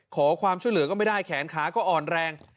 ขอความช่วยเหลือก็ไม่ได้แขนขาก็อ่อนแรง